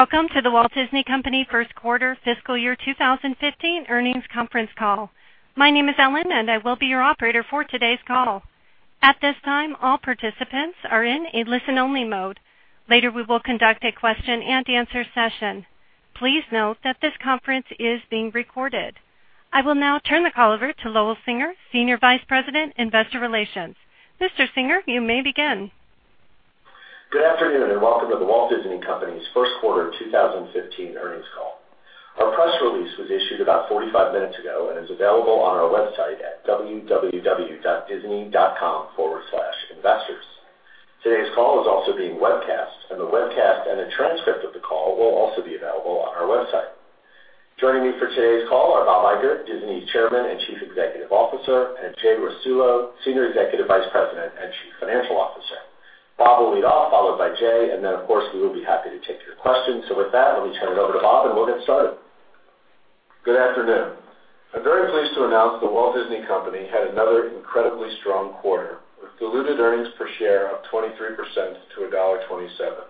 Welcome to The Walt Disney Company first quarter fiscal year 2015 earnings conference call. My name is Ellen, and I will be your operator for today's call. At this time, all participants are in a listen-only mode. Later, we will conduct a question-and-answer session. Please note that this conference is being recorded. I will now turn the call over to Lowell Singer, Senior Vice President, Investor Relations. Mr. Singer, you may begin. Good afternoon. Welcome to The Walt Disney Company's first quarter 2015 earnings call. Our press release was issued about 45 minutes ago and is available on our website at www.disney.com/investors. Today's call is also being webcast. The webcast and a transcript of the call will also be available on our website. Joining me for today's call are Bob Iger, Disney's Chairman and Chief Executive Officer, and Jay Rasulo, Senior Executive Vice President and Chief Financial Officer. Bob will lead off, followed by Jay. Of course, we will be happy to take your questions. With that, let me turn it over to Bob, and we'll get started. Good afternoon. I'm very pleased to announce The Walt Disney Company had another incredibly strong quarter, with diluted earnings per share up 23% to $1.27.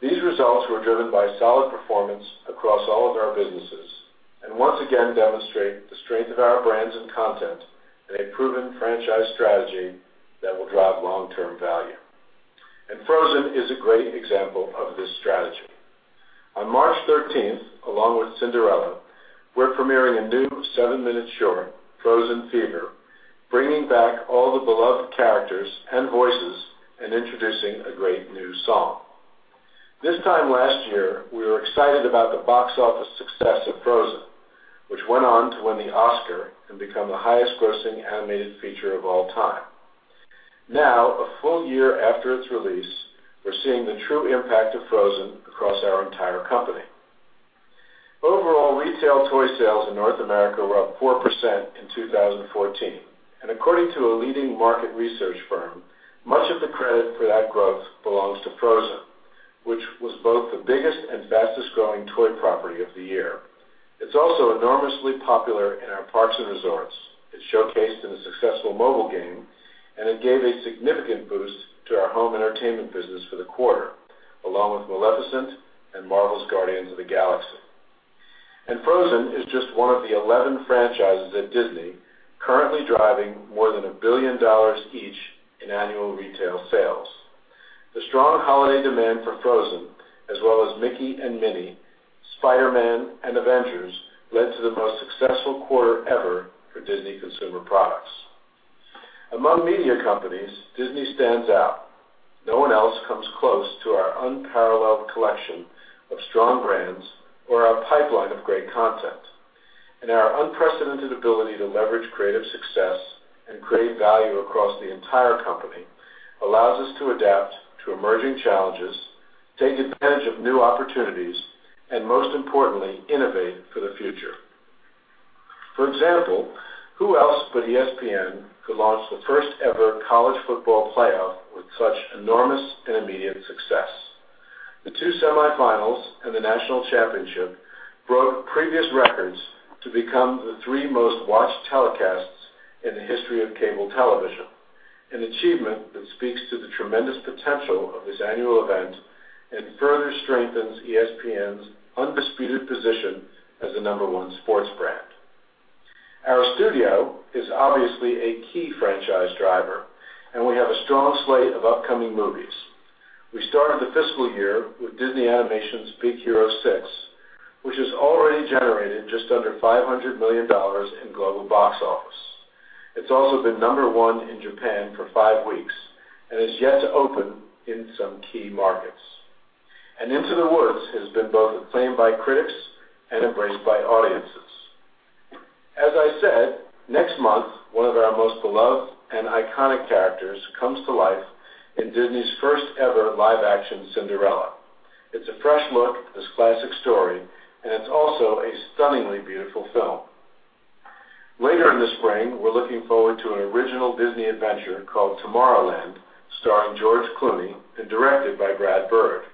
These results were driven by solid performance across all of our businesses and once again demonstrate the strength of our brands and content and a proven franchise strategy that will drive long-term value. Frozen is a great example of this strategy. On March 13th, along with Cinderella, we're premiering a new seven-minute short, Frozen Fever, bringing back all the beloved characters and voices and introducing a great new song. This time last year, we were excited about the box office success of Frozen, which went on to win the Oscar and become the highest-grossing animated feature of all time. A full year after its release, we're seeing the true impact of Frozen across our entire company. Overall, retail toy sales in North America were up 4% in 2014. According to a leading market research firm, much of the credit for that growth belongs to Frozen, which was both the biggest and fastest-growing toy property of the year. It's also enormously popular in our parks and resorts. It's showcased in a successful mobile game. It gave a significant boost to our home entertainment business for the quarter, along with Maleficent and Marvel's Guardians of the Galaxy. Frozen is just one of the 11 franchises at Disney currently driving more than $1 billion each in annual retail sales. The strong holiday demand for Frozen, as well as Mickey and Minnie, Spider-Man, and Avengers, led to the most successful quarter ever for Disney Consumer Products. Among media companies, Disney stands out. No one else comes close to our unparalleled collection of strong brands or our pipeline of great content. Our unprecedented ability to leverage creative success and create value across the entire company allows us to adapt to emerging challenges, take advantage of new opportunities, and most importantly, innovate for the future. For example, who else but ESPN could launch the first-ever College Football Playoff with such enormous and immediate success? The two semifinals and the national championship broke previous records to become the three most-watched telecasts in the history of cable television, an achievement that speaks to the tremendous potential of this annual event and further strengthens ESPN's undisputed position as the number 1 sports brand. Our studio is obviously a key franchise driver, and we have a strong slate of upcoming movies. We started the fiscal year with Disney Animation's Big Hero 6, which has already generated just under $500 million in global box office. It's also been number 1 in Japan for five weeks and is yet to open in some key markets. Into the Woods has been both acclaimed by critics and embraced by audiences. As I said, next month, one of our most beloved and iconic characters comes to life in Disney's first-ever live-action Cinderella. It's a fresh look at this classic story, and it's also a stunningly beautiful film. Later in the spring, we're looking forward to an original Disney adventure called Tomorrowland, starring George Clooney and directed by Brad Bird.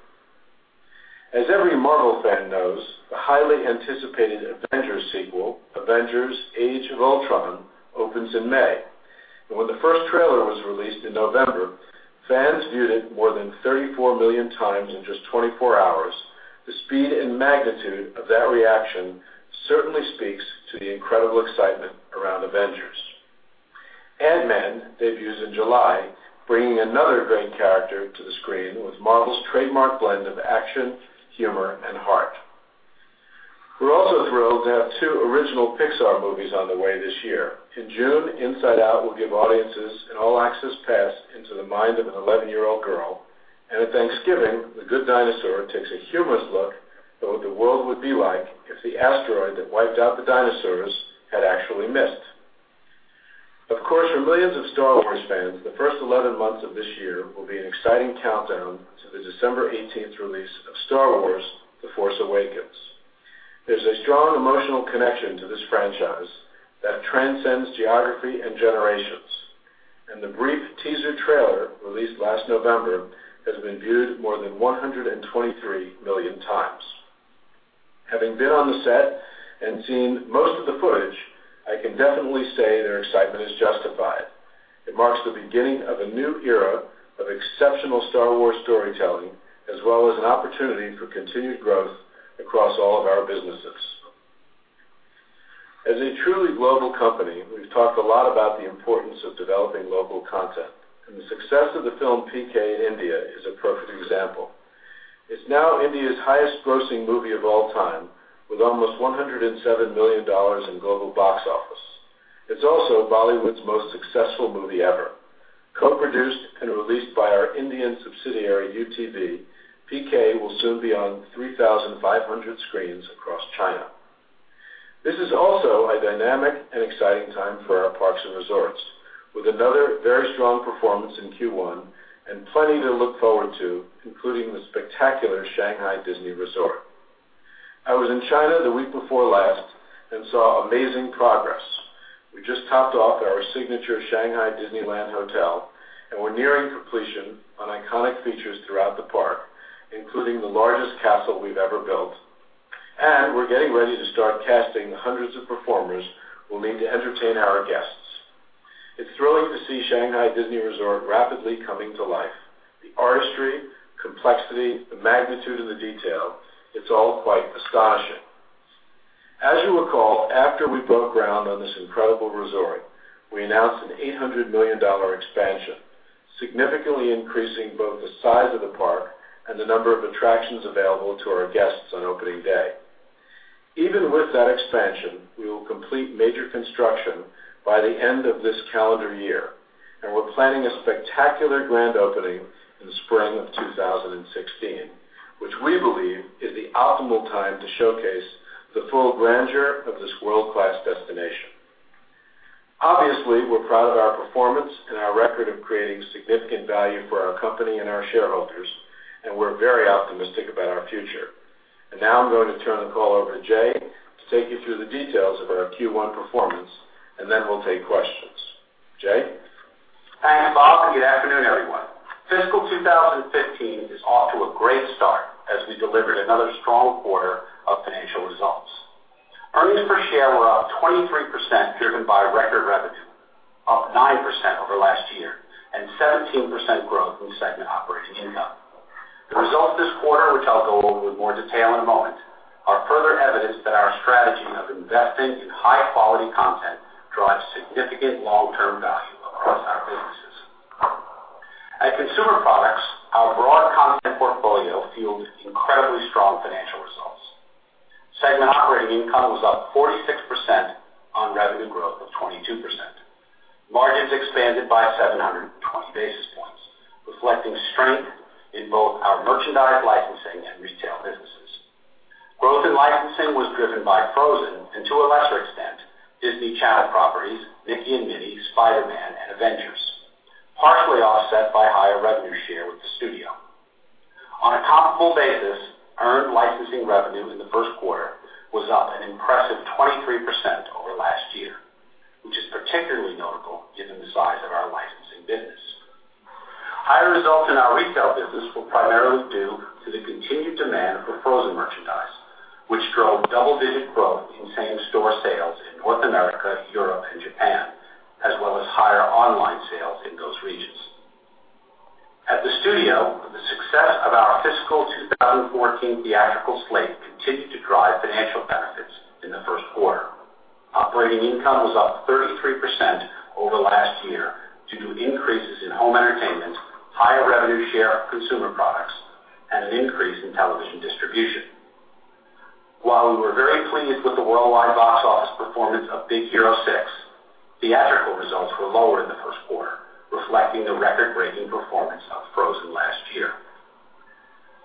As every Marvel fan knows, the highly anticipated Avengers sequel, Avengers: Age of Ultron, opens in May. When the first trailer was released in November, fans viewed it more than 34 million times in just 24 hours. The speed and magnitude of that reaction certainly speaks to the incredible excitement around Avengers. Ant-Man debuts in July, bringing another great character to the screen with Marvel's trademark blend of action, humor, and heart. We're also thrilled to have two original Pixar movies on the way this year. In June, Inside Out will give audiences an all-access pass into the mind of an 11-year-old girl. At Thanksgiving, The Good Dinosaur takes a humorous look at what the world would be like if the asteroid that wiped out the dinosaurs had actually missed. Of course, for millions of Star Wars fans, the first 11 months of this year will be an exciting countdown to the December 18th release of Star Wars: The Force Awakens. There's a strong emotional connection to this franchise that transcends geography and generations. The brief teaser trailer released last November has been viewed more than 123 million times. Having been on the set and seen most of the footage, I can definitely say their excitement is justified. It marks the beginning of a new era of exceptional Star Wars storytelling, as well as an opportunity for continued growth across all of our businesses. As a truly global company, we've talked a lot about the importance of developing local content. The success of the film PK in India is a perfect example. It's now India's highest grossing movie of all time, with almost $107 million in global box office. It's also Bollywood's most successful movie ever. Co-produced and released by our Indian subsidiary, UTV, PK will soon be on 3,500 screens across China. This is also a dynamic and exciting time for our parks and resorts, with another very strong performance in Q1 and plenty to look forward to, including the spectacular Shanghai Disney Resort. I was in China the week before last and saw amazing progress. We just topped off our signature Shanghai Disneyland Hotel, and we're nearing completion on iconic features throughout the park, including the largest castle we've ever built, and we're getting ready to start casting the hundreds of performers we'll need to entertain our guests. It's thrilling to see Shanghai Disney Resort rapidly coming to life. The artistry, complexity, the magnitude of the detail, it's all quite astonishing. As you recall, after we broke ground on this incredible resort, we announced an $800 million expansion, significantly increasing both the size of the park and the number of attractions available to our guests on opening day. Even with that expansion, we will complete major construction by the end of this calendar year, and we're planning a spectacular grand opening in the spring of 2016, which we believe is the optimal time to showcase the full grandeur of this world-class destination. Obviously, we're proud of our performance and our record of creating significant value for our company and our shareholders, and we're very optimistic about our future. Now I'm going to turn the call over to Jay to take you through the details of our Q1 performance, and then we'll take questions. Jay? Thanks, Bob, and good afternoon, everyone. Fiscal 2015 is off to a great start as we delivered another strong quarter of financial results. Earnings per share were up 23%, driven by record revenue, up 9% over last year, and 17% growth in segment operating income. The results this quarter, which I'll go over with more detail in a moment, are further evidence that our strategy of investing in high-quality content drives significant long-term value across our businesses. At Consumer Products, our broad content portfolio fueled incredibly strong financial results. Segment operating income was up 46% on revenue growth of 22%. Margins expanded by 720 basis points, reflecting strength in both our merchandise licensing and retail businesses. Growth in licensing was driven by Frozen and to a lesser extent, Disney Channel properties, Mickey & Minnie, Spider-Man, and Avengers, partially offset by higher revenue share with the studio. On a comparable basis, earned licensing revenue in the first quarter was up an impressive 23% over last year, which is particularly notable given the size of our licensing business. Higher results in our retail business were primarily due to the continued demand for Frozen merchandise, which drove double-digit growth in same-store sales in North America, Europe, and Japan, as well as higher online sales in those regions. At the Studio, the success of our fiscal 2014 theatrical slate continued to drive financial benefits in the first quarter. Operating income was up 33% over last year due to increases in home entertainment, higher revenue share of consumer products, and an increase in television distribution. While we were very pleased with the worldwide box office performance of Big Hero 6, theatrical results were lower in the first quarter, reflecting the record-breaking performance of Frozen last year.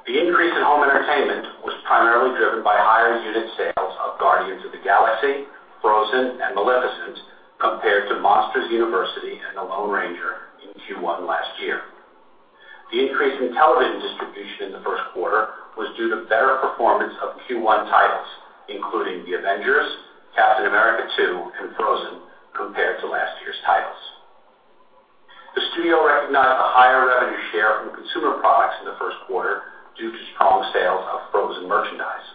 The increase in home entertainment was primarily driven by higher unit sales of Guardians of the Galaxy, Frozen, and Maleficent compared to Monsters University and The Lone Ranger in Q1 last year. The increase in television distribution in the first quarter was due to better performance of Q1 titles, including The Avengers, Captain America 2, and Frozen compared to last year's titles. The studio recognized a higher revenue share from consumer products in the first quarter due to strong sales of Frozen merchandise.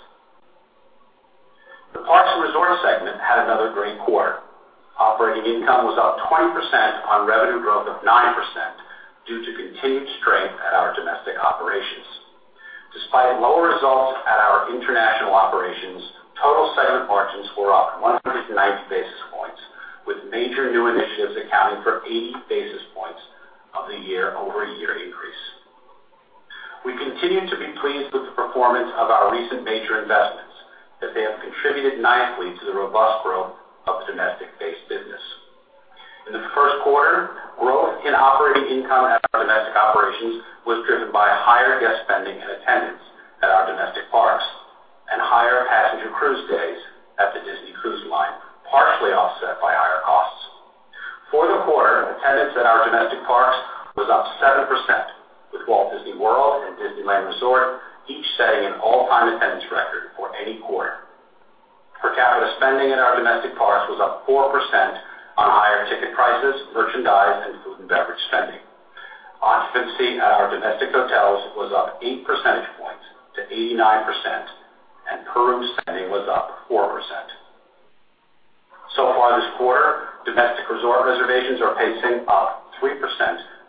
The Parks and Resorts segment had another great quarter. Operating income was up 20% on revenue growth of 9% due to continued strength at our domestic operations. Despite lower results at our international operations, total segment margins were up 190 basis points, with major new initiatives accounting for 80 basis points of the year-over-year increase. We continue to be pleased with the performance of our recent major investments, as they have contributed nicely to the robust growth of the domestic-based business. In the first quarter, growth in operating income at our domestic operations was driven by higher guest spending and attendance at our domestic parks and higher passenger cruise days at the Disney Cruise Line, partially offset by higher costs. For the quarter, attendance at our domestic parks was up 7%, with Walt Disney World and Disneyland Resort each setting an all-time attendance record for any quarter. Per capita spending at our domestic parks was up 4% on higher ticket prices, merchandise, and food and beverage spending. Occupancy at our domestic hotels was up eight percentage points to 89%, and per room spending was up 4%. So far this quarter, domestic resort reservations are pacing up 3%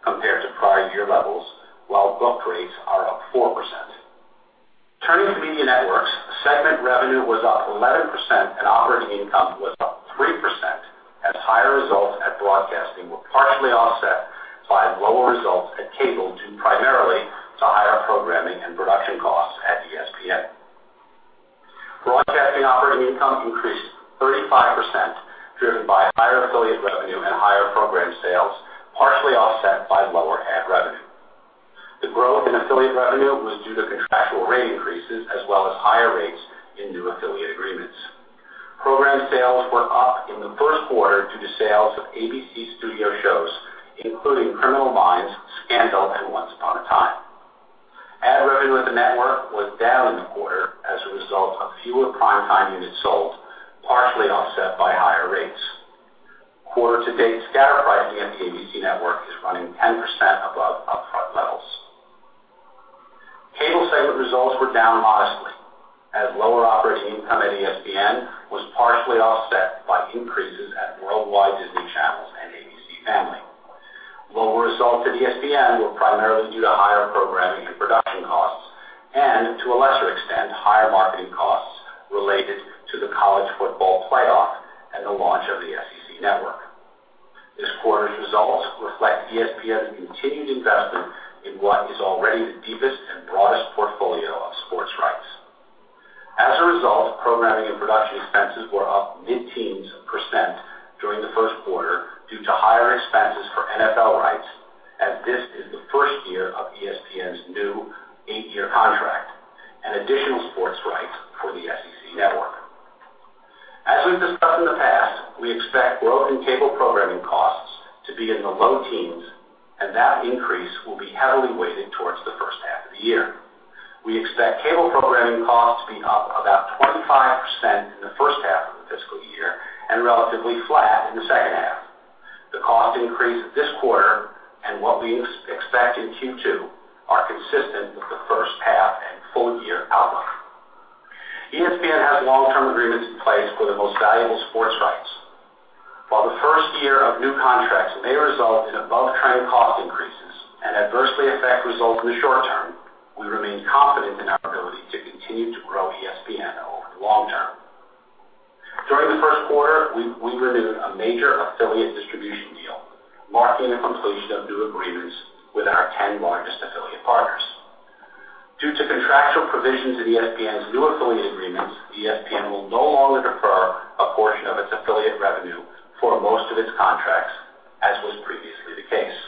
compared to prior year levels, while book rates are up 4%. Turning to Media Networks, segment revenue was up 11% and operating income was up 3%, as higher results at Broadcasting were partially offset by lower results at Cable, due primarily to higher programming and production costs at ESPN. Broadcasting operating income increased 35%, driven by higher affiliate revenue and higher program sales, partially offset by lower ad revenue. The growth in affiliate revenue was due to contractual rate increases, as well as higher rates in new affiliate agreements. Program sales were up in the first quarter due to sales of ABC Studios shows, including "Criminal Minds," "Scandal," and "Once Upon a Time." Ad revenue at the network was down in the quarter as a result of fewer prime time units sold, partially offset by higher rates. Quarter to date scatter pricing at the ABC Network is running 10% above upfront levels. Cable segment results were down modestly as lower operating income at ESPN was partially offset by increases at worldwide Disney Channels and ABC Family. Lower results at ESPN were primarily due to higher programming and production costs, and to a lesser extent, higher marketing costs related to the College Football Playoff and the launch of the SEC Network. This quarter's results reflect ESPN's continued investment in what is already the deepest and broadest portfolio of sports rights. As a result, programming and production expenses were up mid-teens percent during the first quarter, due to higher expenses for NFL rights, as this is the first year of ESPN's new eight-year contract and additional sports rights for the SEC Network. As we've discussed in the past, we expect growth in cable programming costs to be in the low teens, and that increase will be heavily weighted towards the first half of the year. We expect cable programming costs to be up about 25% in the first half of the fiscal year and relatively flat in the second half. The cost increase this quarter and what we expect in Q2 are consistent with the first half and full-year outlook. ESPN has long-term agreements in place for the most valuable sports rights. While the first year of new contracts may result in above-trend cost increases and adversely affect results in the short term, we remain confident in our ability to continue to grow ESPN over the long term. During the first quarter, we renewed a major affiliate distribution deal, marking the completion of new agreements with our 10 largest affiliate partners. Due to contractual provisions in ESPN's new affiliate agreements, ESPN will no longer defer a portion of its affiliate revenue for most of its contracts, as was previously the case.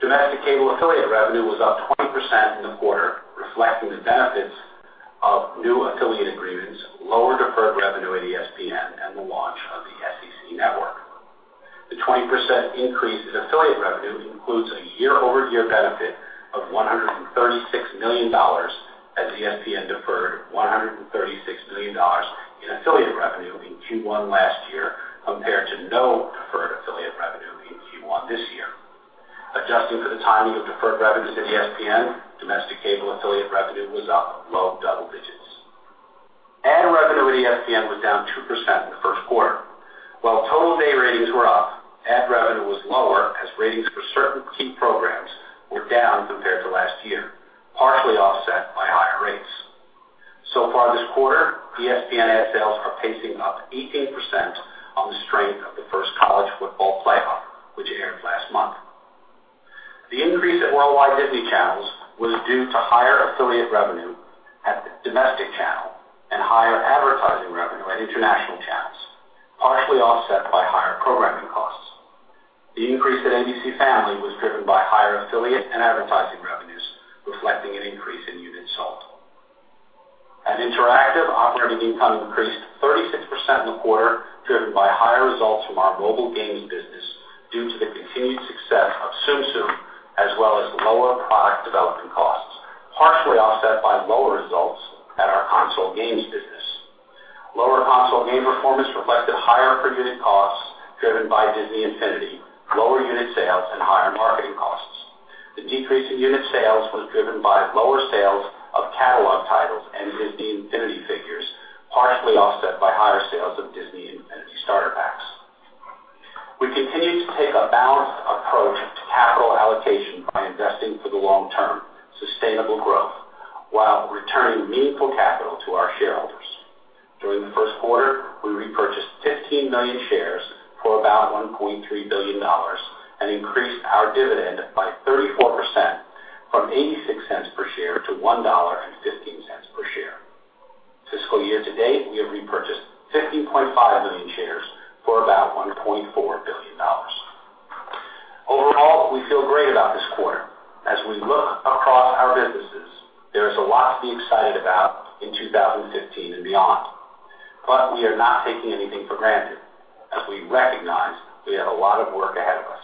Domestic cable affiliate revenue was up 20% in the quarter, reflecting the benefits of new affiliate agreements, lower deferred revenue at ESPN, and the launch of the SEC Network. The 20% increase in affiliate revenue includes a year-over-year benefit of $136 million, as ESPN deferred $136 million in affiliate revenue in Q1 last year, compared to no deferred affiliate revenue in Q1 this year. Adjusting for the timing of deferred revenues to ESPN, domestic cable affiliate revenue was up low double digits. Ad revenue at ESPN was down 2% in the first quarter. While total day ratings were up, ad revenue was lower as ratings for certain key programs were down compared to last year, partially offset by higher rates. This quarter, ESPN ad sales are pacing up 18% on the strength of the first College Football Playoff, which aired last month. The increase at worldwide Disney Channels was due to higher affiliate revenue at the domestic channel and higher advertising revenue at international channels, partially offset by higher programming costs. The increase at ABC Family was driven by higher affiliate and advertising revenues, reflecting an increase in units sold. At Interactive, operating income increased 36% in the quarter, driven by higher results from our mobile games business due to the continued success of Tsum Tsum, as well as lower product development costs, partially offset by lower results at the console games business. Lower console game performance reflected higher per-unit costs driven by Disney Infinity, lower unit sales, and higher marketing costs. The decrease in unit sales was driven by lower sales of catalog titles and Disney Infinity figures, partially offset by higher sales of Disney Infinity starter packs. We continue to take a balanced approach to capital allocation by investing for the long-term sustainable growth while returning meaningful capital to our shareholders. During the first quarter, we repurchased 15 million shares for about $1.3 billion and increased our dividend by 34%, from $0.86 per share to $1.15 per share. Fiscal year to date, we have repurchased 50.5 million shares for about $1.4 billion. Overall, we feel great about this quarter. As we look across our businesses, there is a lot to be excited about in 2015 and beyond. We are not taking anything for granted. As we recognize, we have a lot of work ahead of us.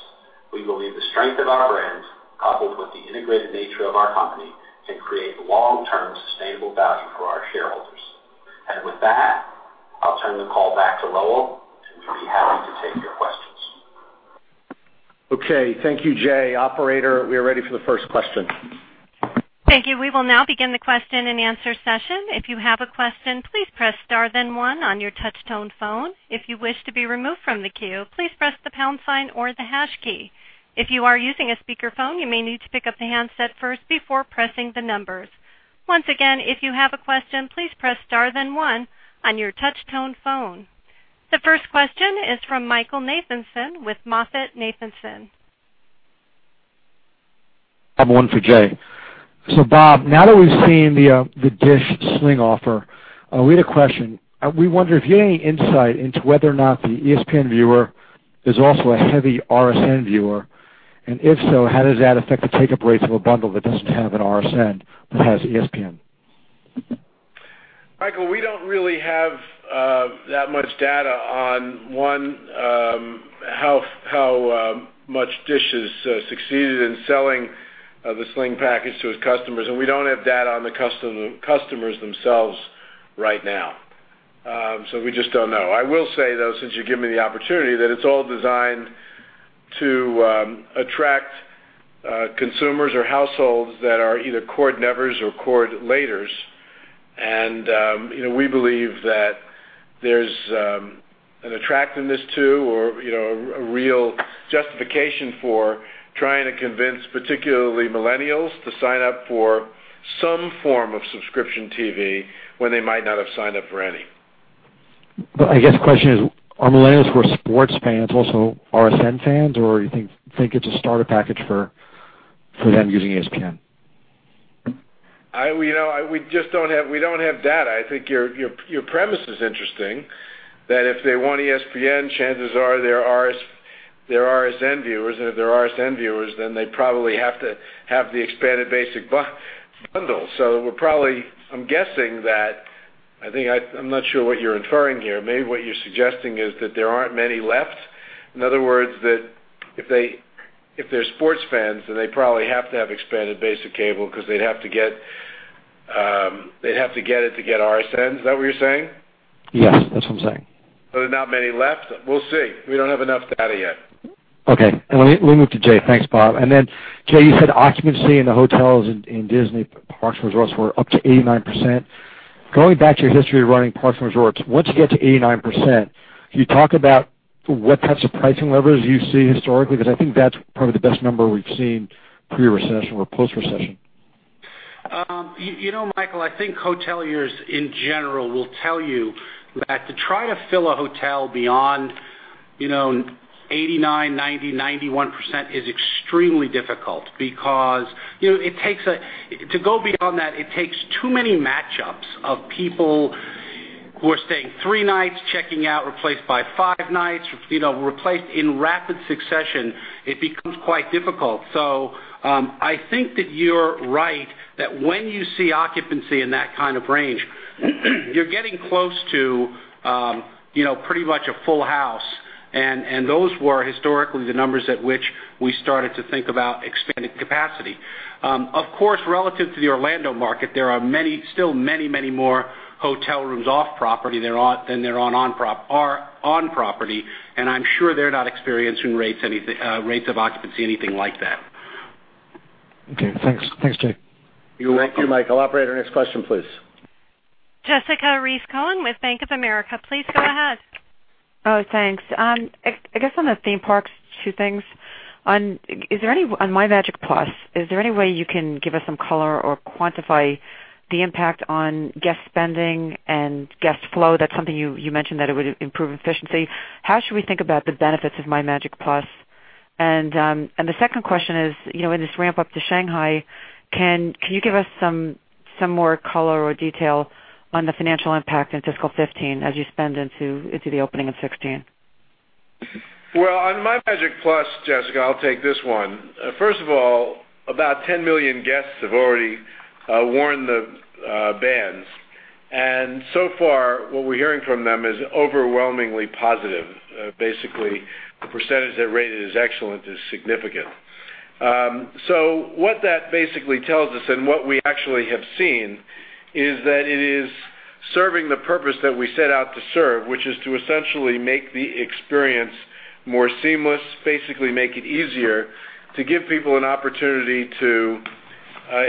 We believe the strength of our brands, coupled with the integrated nature of our company, can create long-term sustainable value for our shareholders. With that, I'll turn the call back to Lowell, and he'll be happy to take your questions. Okay, thank you, Jay. Operator, we are ready for the first question. Thank you. We will now begin the question and answer session. If you have a question, please press star then one on your touch tone phone. If you wish to be removed from the queue, please press the pound sign or the hash key. If you are using a speakerphone, you may need to pick up the handset first before pressing the numbers. Once again, if you have a question, please press star then one on your touch tone phone. The first question is from Michael Nathanson with MoffettNathanson. I have one for Jay. Bob, now that we've seen the Dish Sling offer, we had a question. We wonder if you have any insight into whether or not the ESPN viewer is also a heavy RSN viewer. If so, how does that affect the take-up rates of a bundle that doesn't have an RSN but has ESPN? Michael, we don't really have that much data on one, how much Dish has succeeded in selling the Sling package to its customers, and we don't have data on the customers themselves right now. We just don't know. I will say, though, since you've given me the opportunity, that it's all designed to attract consumers or households that are either cord nevers or cord laters. We believe that there's an attractiveness to or a real justification for trying to convince, particularly millennials to sign up for some form of subscription TV when they might not have signed up for any. I guess the question is, are millennials who are sports fans also RSN fans, or you think it's a starter package for them using ESPN? We don't have data. I think your premise is interesting, that if they want ESPN, chances are they're RSN viewers, and if they're RSN viewers, they probably have to have the expanded basic bundle. I'm guessing that, I'm not sure what you're inferring here. Maybe what you're suggesting is that there aren't many left. In other words, that if they're sports fans, they probably have to have expanded basic cable because they'd have to get it to get RSN. Is that what you're saying? Yes, that's what I'm saying. There is not many left. We will see. We do not have enough data yet. Okay. Let me move to Jay. Thanks, Bob. Jay, you said occupancy in the hotels in Disney Parks resorts were up to 89%. Going back to your history of running parks and resorts, once you get to 89%, can you talk about what types of pricing levers you see historically? Because I think that is probably the best number we have seen pre-recession or post-recession. Michael, I think hoteliers in general will tell you that to try to fill a hotel beyond 89%, 90%, 91% is extremely difficult because to go beyond that, it takes too many matchups of people who are staying three nights, checking out, replaced by five nights, replaced in rapid succession. It becomes quite difficult. I think that you are right that when you see occupancy in that kind of range, you are getting close to pretty much a full house, and those were historically the numbers at which we started to think about expanding capacity. Of course, relative to the Orlando market, there are still many more hotel rooms off property than there are on property, and I am sure they are not experiencing rates of occupancy anything like that. Okay, thanks, Jay. Thank you, Michael. Operator, next question, please. Jessica Reif Cohen with Bank of America. Please go ahead. Thanks. I guess on the theme parks, two things. On MyMagic+, is there any way you can give us some color or quantify the impact on guest spending and guest flow? That's something you mentioned that it would improve efficiency. How should we think about the benefits of MyMagic+? The second question is, in this ramp up to Shanghai, can you give us some more color or detail on the financial impact in fiscal 2015 as you spend into the opening of 2016? Well, on MyMagic+, Jessica, I'll take this one. First of all, about 10 million guests have already worn the bands. So far, what we're hearing from them is overwhelmingly positive. Basically, the percentage that rate it as excellent is significant. What that basically tells us and what we actually have seen is that it is serving the purpose that we set out to serve, which is to essentially make the experience more seamless, basically make it easier to give people an opportunity to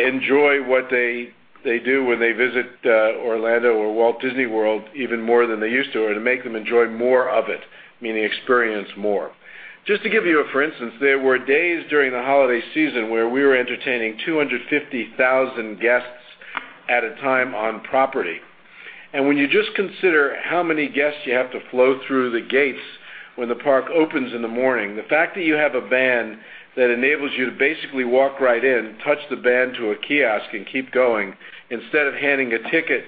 enjoy what they do when they visit Orlando or Walt Disney World even more than they used to, or to make them enjoy more of it, meaning experience more. Just to give you a for instance, there were days during the holiday season where we were entertaining 250,000 guests at a time on property. When you just consider how many guests you have to flow through the gates when the park opens in the morning, the fact that you have a band that enables you to basically walk right in, touch the band to a kiosk, and keep going, instead of handing a ticket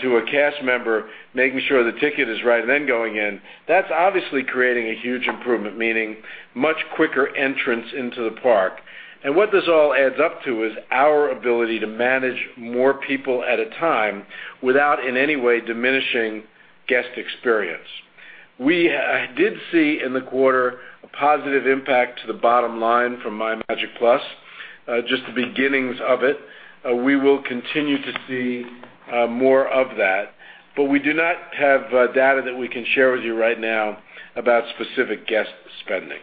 to a cast member, making sure the ticket is right, and then going in, that's obviously creating a huge improvement, meaning much quicker entrance into the park. What this all adds up to is our ability to manage more people at a time without in any way diminishing guest experience. We did see in the quarter a positive impact to the bottom line from MyMagic+, just the beginnings of it. We will continue to see more of that, we do not have data that we can share with you right now about specific guest spending.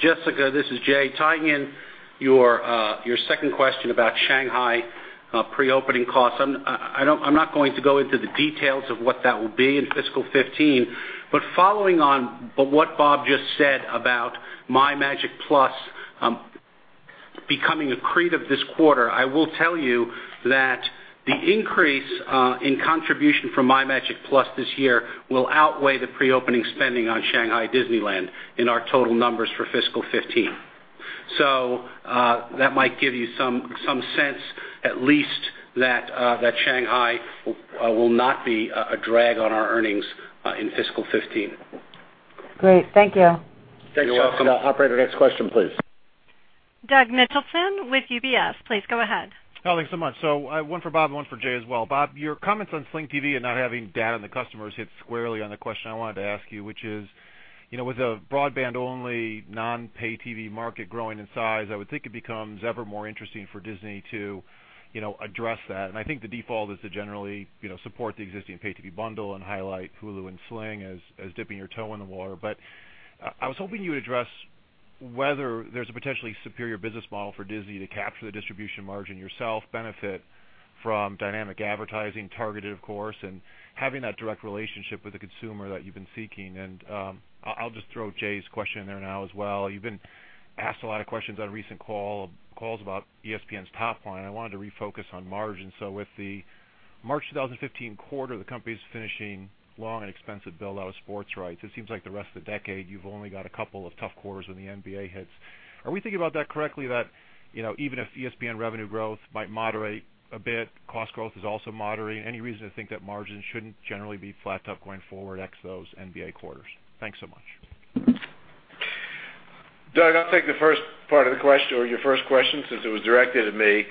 Jessica, this is Jay. Tying in your second question about Shanghai pre-opening costs, I'm not going to go into the details of what that will be in fiscal 2015. Following on what Bob just said about MyMagic+ becoming accretive this quarter, I will tell you that the increase in contribution from MyMagic+ this year will outweigh the pre-opening spending on Shanghai Disneyland in our total numbers for fiscal 2015. That might give you some sense at least that Shanghai will not be a drag on our earnings in fiscal 2015. Great. Thank you. You're welcome. Thanks, Jessica. Operator, next question, please. Douglas Mitchelson with UBS. Please go ahead. Thanks so much. One for Bob and one for Jay as well. Bob, your comments on Sling TV and not having data on the customers hit squarely on the question I wanted to ask you, which is, with a broadband-only non-pay TV market growing in size, I would think it becomes ever more interesting for Disney to address that. I think the default is to generally support the existing pay TV bundle and highlight Hulu and Sling as dipping your toe in the water. I was hoping you would address whether there's a potentially superior business model for Disney to capture the distribution margin yourself, benefit from dynamic advertising, targeted of course, and having that direct relationship with the consumer that you've been seeking. I'll just throw Jay's question in there now as well. You've been asked a lot of questions on recent calls about ESPN's top line. I wanted to refocus on margin. With the March 2015 quarter, the company's finishing long and expensive build-out of sports rights. It seems like the rest of the decade, you've only got a couple of tough quarters when the NBA hits. Are we thinking about that correctly, that even if ESPN revenue growth might moderate a bit, cost growth is also moderating? Any reason to think that margins shouldn't generally be flat to up going forward ex those NBA quarters? Thanks so much. Doug, I'll take the first part of the question or your first question since it was directed at me.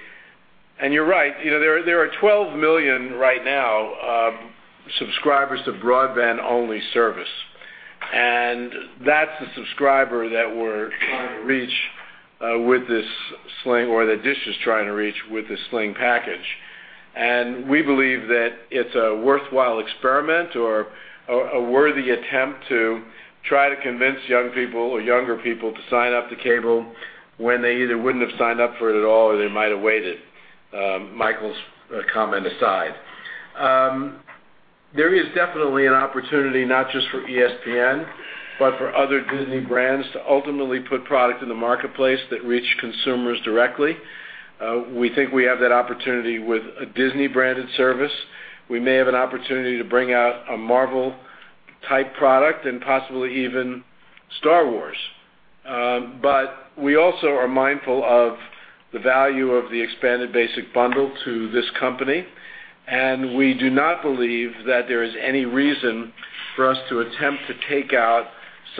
You're right. There are 12 million right now subscribers to broadband-only service. That's the subscriber that we're trying to reach with this Sling, or that Dish is trying to reach with the Sling package. We believe that it's a worthwhile experiment or a worthy attempt to try to convince young people or younger people to sign up to cable when they either wouldn't have signed up for it at all or they might have waited, Michael's comment aside. There is definitely an opportunity, not just for ESPN, but for other Disney brands to ultimately put product in the marketplace that reach consumers directly. We think we have that opportunity with a Disney branded service. We may have an opportunity to bring out a Marvel-type product and possibly even Star Wars. We also are mindful of the value of the expanded basic bundle to this company, and we do not believe that there is any reason for us to attempt to take out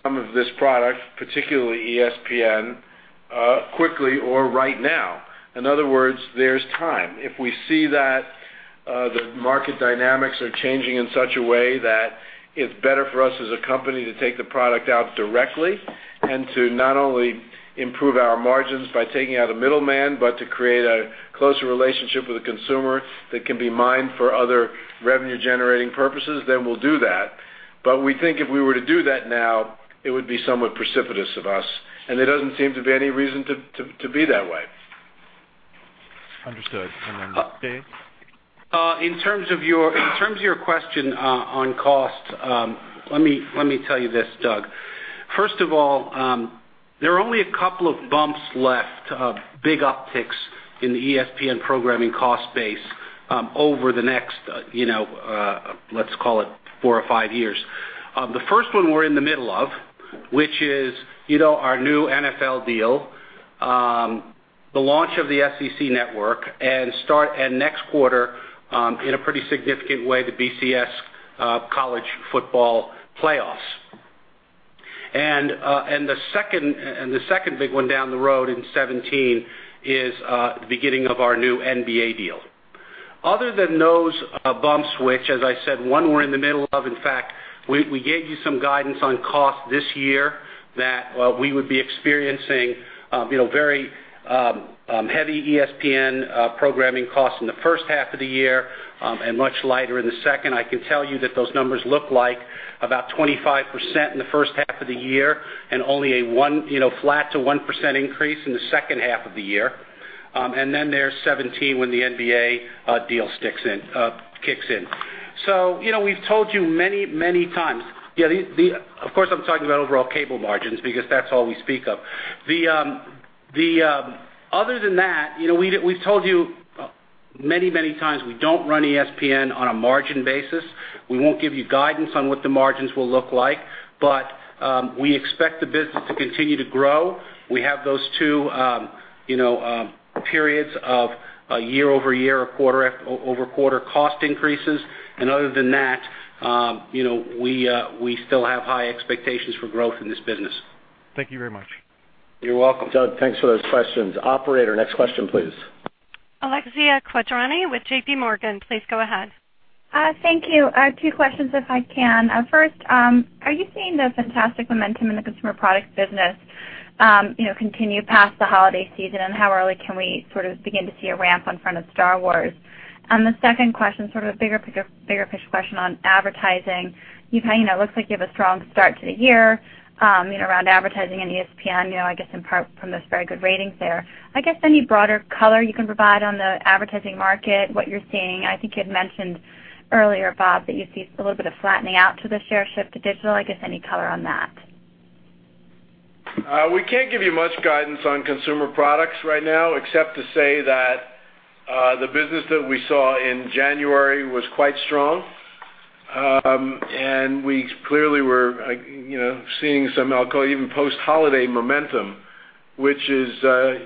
some of this product, particularly ESPN, quickly or right now. In other words, there's time. If we see that the market dynamics are changing in such a way that it's better for us as a company to take the product out directly and to not only improve our margins by taking out a middleman, but to create a closer relationship with the consumer that can be mined for other revenue-generating purposes, then we'll do that. We think if we were to do that now, it would be somewhat precipitous of us, and there doesn't seem to be any reason to be that way. Understood. Then Jay? In terms of your question on cost, let me tell you this, Doug. First of all, there are only a couple of bumps left, big upticks in the ESPN programming cost base over the next, let's call it four or five years. The first one we're in the middle of, which is our new NFL deal, the launch of the SEC Network, and start at next quarter in a pretty significant way, the BCS, College Football Playoff. The second big one down the road in 2017 is the beginning of our new NBA deal. Other than those bumps, which as I said, one we're in the middle of, in fact, we gave you some guidance on cost this year that we would be experiencing very heavy ESPN programming costs in the first half of the year and much lighter in the second. I can tell you that those numbers look like about 25% in the first half of the year and only a flat to 1% increase in the second half of the year. There's 2017 when the NBA deal kicks in. We've told you many times. Of course, I'm talking about overall cable margins because that's all we speak of. Other than that, we've told you many times, we don't run ESPN on a margin basis. We won't give you guidance on what the margins will look like, but we expect the business to continue to grow. We have those two periods of year-over-year or quarter-over-quarter cost increases. Other than that, we still have high expectations for growth in this business. Thank you very much. You're welcome. Doug, thanks for those questions. Operator, next question, please. Alexia Quadrani with JP Morgan. Please go ahead. Thank you. Two questions if I can. First, are you seeing the fantastic momentum in the Consumer Products business continue past the holiday season? How early can we begin to see a ramp in front of Star Wars? The second question, sort of a bigger-picture question on advertising. It looks like you have a strong start to the year around advertising and ESPN, I guess in part from those very good ratings there. I guess any broader color you can provide on the advertising market, what you're seeing? I think you'd mentioned earlier, Bob, that you see a little bit of flattening out to the share shift to digital. I guess, any color on that? We can't give you much guidance on Consumer Products right now except to say that the business that we saw in January was quite strong. We clearly were seeing some, I'll call even post-holiday momentum, which is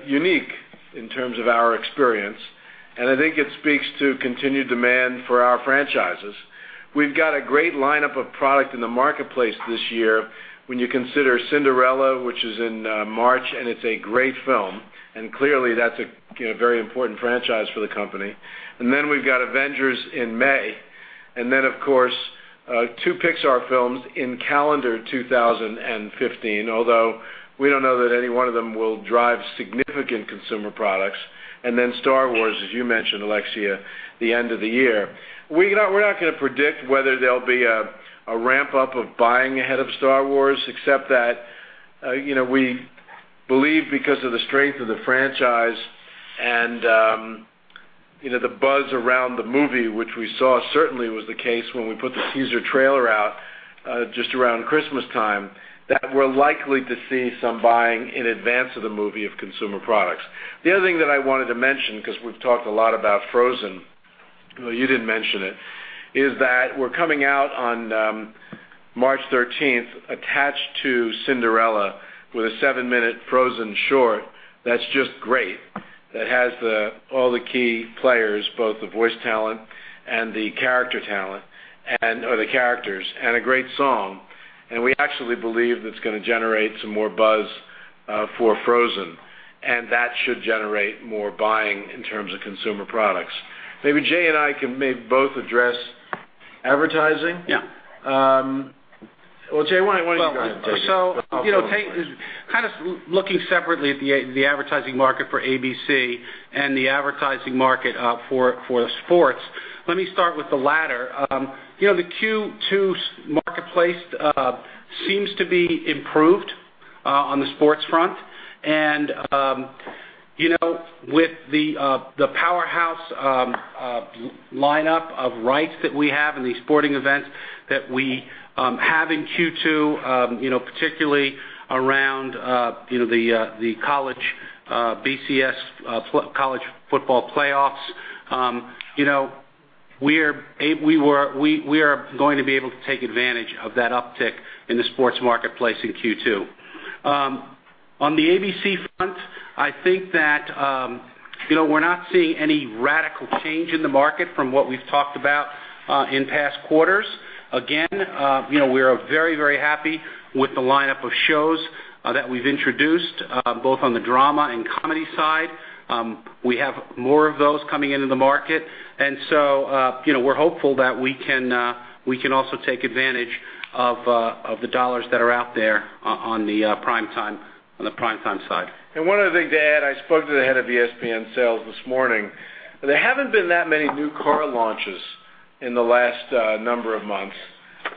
unique in terms of our experience. I think it speaks to continued demand for our franchises. We've got a great lineup of product in the marketplace this year when you consider "Cinderella," which is in March, and it's a great film. Clearly, that's a very important franchise for the company. Then we've got "Avengers" in May. Then, of course, two Pixar films in calendar 2015, although we don't know that any one of them will drive significant Consumer Products. Then Star Wars, as you mentioned, Alexia, the end of the year. We're not going to predict whether there'll be a ramp-up of buying ahead of Star Wars, except that we believe because of the strength of the franchise and the buzz around the movie, which we saw certainly was the case when we put the teaser trailer out just around Christmas time, that we're likely to see some buying in advance of the movie of consumer products. The other thing that I wanted to mention, because we've talked a lot about Frozen, well, you didn't mention it, is that we're coming out on March 13th attached to Cinderella with a seven-minute Frozen short that's just great. That has all the key players, both the voice talent and the character talent or the characters, and a great song. We actually believe that's going to generate some more buzz for Frozen, and that should generate more buying in terms of consumer products. Maybe Jay and I can both address advertising. Yeah. Well, Jay, why don't you go ahead? Kind of looking separately at the advertising market for ABC and the advertising market for the sports, let me start with the latter. The Q2 marketplace seems to be improved on the sports front. With the powerhouse lineup of rights that we have in these sporting events that we have in Q2, particularly around the BCS College Football Playoff, we are going to be able to take advantage of that uptick in the sports marketplace in Q2. On the ABC front, I think that we're not seeing any radical change in the market from what we've talked about in past quarters. Again, we are very, very happy with the lineup of shows that we've introduced both on the drama and comedy side. We have more of those coming into the market. We're hopeful that we can also take advantage of the $ that are out there on the prime time side. One other thing to add. I spoke to the head of ESPN sales this morning. There haven't been that many new car launches in the last number of months.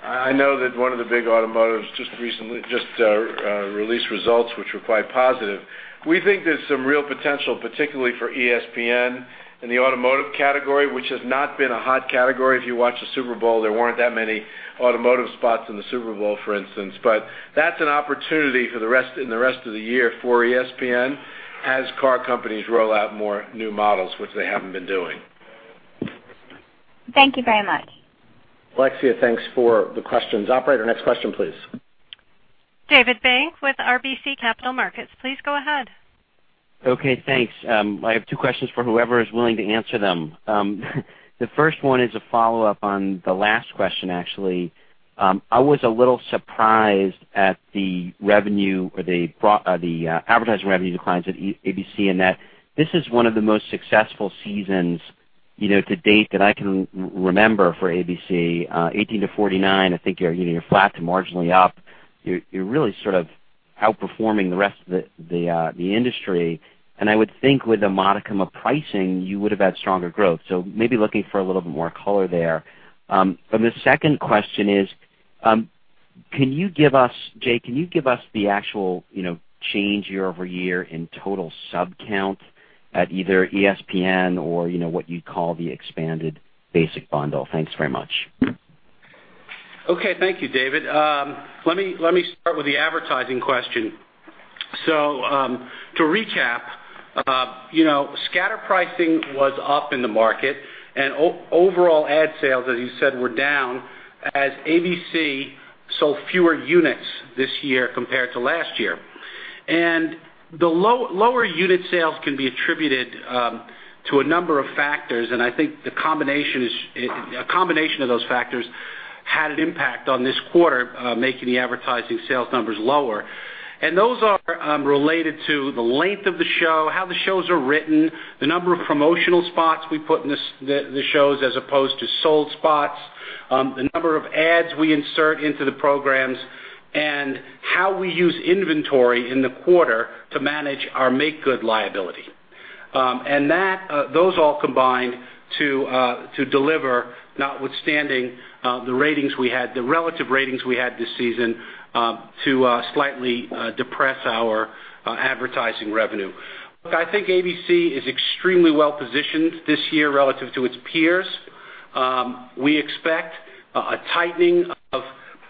I know that one of the big automotives just released results which were quite positive. We think there's some real potential, particularly for ESPN in the automotive category, which has not been a hot category. If you watch the Super Bowl, there weren't that many automotive spots in the Super Bowl, for instance. That's an opportunity in the rest of the year for ESPN as car companies roll out more new models, which they haven't been doing. Thank you very much. Alexia, thanks for the questions. Operator, next question, please. David Bank with RBC Capital Markets. Please go ahead. Okay, thanks. I have two questions for whoever is willing to answer them. The first one is a follow-up on the last question, actually. I was a little surprised at the advertising revenue declines at ABC in that this is one of the most successful seasons to date that I can remember for ABC. 18 to 49, I think you're flat to marginally up. You're really outperforming the rest of the industry. I would think with a modicum of pricing, you would have had stronger growth. Maybe looking for a little bit more color there. The second question is, Jay, can you give us the actual change year-over-year in total sub count at either ESPN or what you'd call the expanded basic bundle? Thanks very much. Okay. Thank you, David. Let me start with the advertising question. To recap, scatter pricing was up in the market and overall ad sales, as you said, were down as ABC sold fewer units this year compared to last year. The lower unit sales can be attributed to a number of factors, and I think a combination of those factors had an impact on this quarter, making the advertising sales numbers lower. Those are related to the length of the show, how the shows are written, the number of promotional spots we put in the shows as opposed to sold spots, the number of ads we insert into the programs, and how we use inventory in the quarter to manage our make-good liability. Those all combined to deliver, notwithstanding the relative ratings we had this season, to slightly depress our advertising revenue. Look, I think ABC is extremely well-positioned this year relative to its peers. We expect a tightening of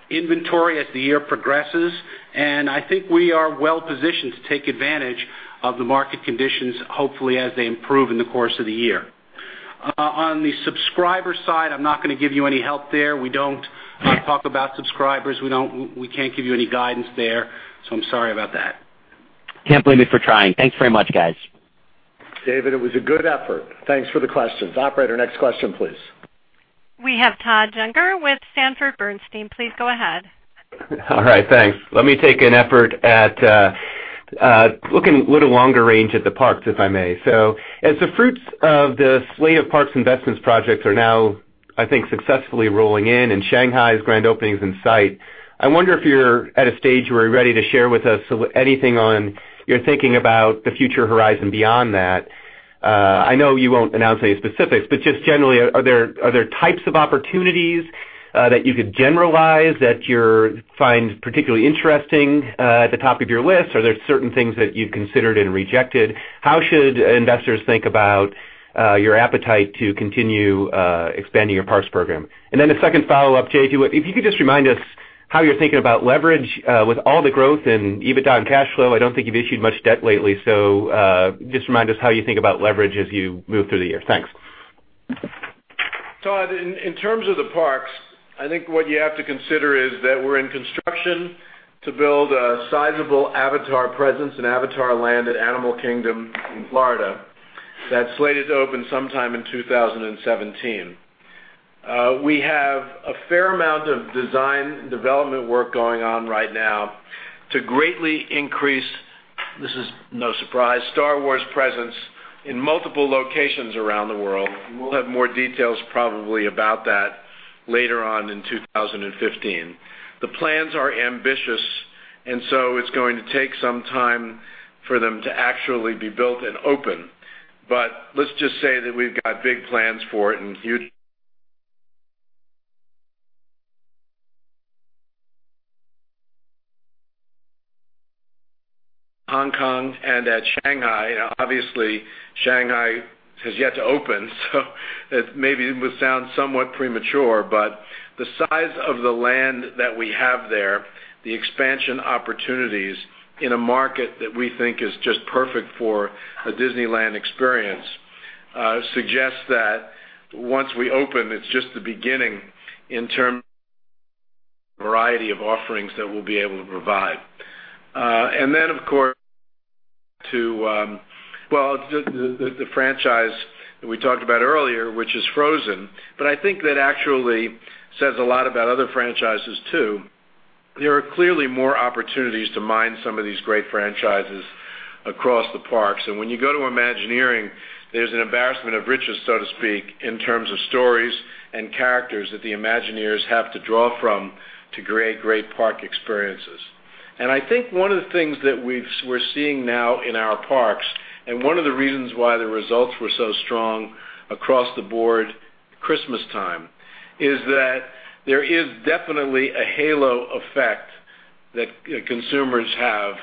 inventory as the year progresses, I think we are well-positioned to take advantage of the market conditions, hopefully, as they improve in the course of the year. On the subscriber side, I'm not going to give you any help there. We don't talk about subscribers. We can't give you any guidance there, I'm sorry about that. Can't blame me for trying. Thanks very much, guys. David, it was a good effort. Thanks for the questions. Operator, next question, please. We have Todd Juenger with Sanford Bernstein. Please go ahead. All right. Thanks. Let me take an effort at looking a little longer range at the parks, if I may. As the fruits of the slate of parks investments projects are now, I think, successfully rolling in and Shanghai's grand opening is in sight, I wonder if you're at a stage where you're ready to share with us anything on your thinking about the future horizon beyond that. I know you won't announce any specifics, but just generally, are there types of opportunities that you could generalize that you find particularly interesting at the top of your list? Are there certain things that you've considered and rejected? How should investors think about your appetite to continue expanding your parks program? And then a second follow-up, Jay, if you could just remind us how you're thinking about leverage with all the growth in EBITDA and cash flow. I don't think you've issued much debt lately, just remind us how you think about leverage as you move through the year. Thanks. Todd, in terms of the parks, I think what you have to consider is that we're in construction to build a sizable Avatar presence, an Avatar land at Disney's Animal Kingdom in Florida that's slated to open sometime in 2017. We have a fair amount of design and development work going on right now to greatly increase, this as no surprise, Star Wars presence in multiple locations around the world. We'll have more details probably about that later on in 2015. The plans are ambitious, so it's going to take some time for them to actually be built and open. Let's just say that we've got big plans for it and [huge] Hong Kong and at Shanghai. Obviously, Shanghai has yet to open, maybe it would sound somewhat premature, but the size of the land that we have there, the expansion opportunities in a market that we think is just perfect for a Disneyland experience suggests that once we open, it's just the beginning in terms variety of offerings that we'll be able to provide. Of course to the franchise that we talked about earlier, which is Frozen, I think that actually says a lot about other franchises too. There are clearly more opportunities to mine some of these great franchises across the parks. When you go to Walt Disney Imagineering, there's an embarrassment of riches, so to speak, in terms of stories and characters that the Imagineers have to draw from to create great park experiences. I think one of the things that we're seeing now in our parks, and one of the reasons why the results were so strong across the board Christmastime, is that there is definitely a halo effect that consumers have